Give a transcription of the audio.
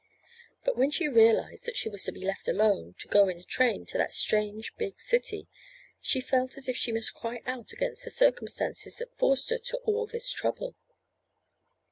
But when she realized that she was to be left alone, to go in a train to that strange, big city, she felt as if she must cry out against the circumstances that forced her to all this trouble.